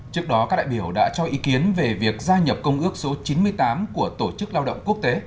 trước đó các đại biểu đã cho ý kiến về việc gia nhập công ước số chín mươi tám của tổ chức lao động quốc tế